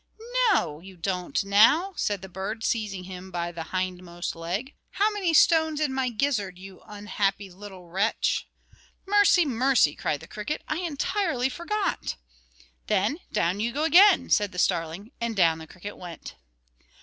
"No, you don't now!" said the bird, seizing him by the hindermost leg. "How many stones in my gizzard, you unhappy little wretch?" "Mercy, mercy!" cried the cricket, "I entirely forget." "Then down you go again," said the starling; and down the cricket went.